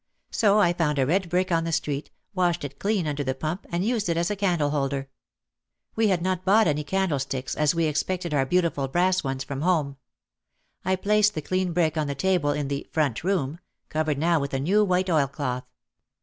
So I found a red brick on the street, washed it clean under the pump and used it as a candle holder. We had not bought any candle H4 OUT OF THE SHADOW sticks, as we expected our beautiful brass ones from home. I placed the clean brick on the table in the "front room, ,, covered now with a new white oil cloth.